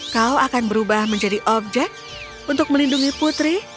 kau akan berubah menjadi objek untuk melindungi putri